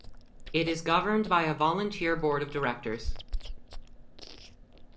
It is governed by a volunteer board of directors.